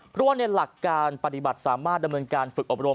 เพราะว่าในหลักการปฏิบัติสามารถดำเนินการฝึกอบรม